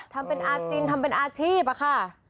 ทำเป็นอาจินทำเป็นอาชีพอะค่ะ